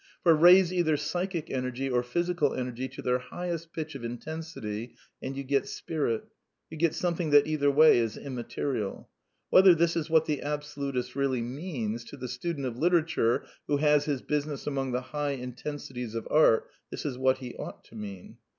For, raise either psychic energy or physical energy to their highest pitch of intensity, and you get Spirit ; you get some thing that, either way, is immaterial. Whether this is what the absolutist really means, to the student of litera ture, who has his business among the high intensities of art, this is what he ought to mean.